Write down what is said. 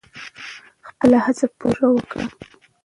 خپله هڅه پوره وکړئ.